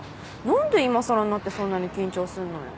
何で今更になってそんなに緊張すんのよ。